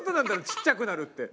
ちっちゃくなるって。